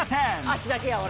足だけや俺。